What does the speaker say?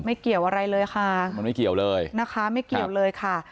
เกี่ยวอะไรเลยค่ะมันไม่เกี่ยวเลยนะคะไม่เกี่ยวเลยค่ะ